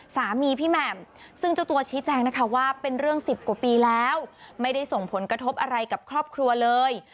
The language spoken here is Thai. สามีพี่แหม่มซึ่งเจ้าตัวชี้แจงนะคะว่าเป็นเรื่อง๑๐กว่าปีแล้วไม่ได้ส่งผลกระทบอะไรกับครอบครัวเลย